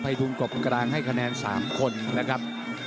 ทุนกบกลางให้คะแนน๓คนนะครับ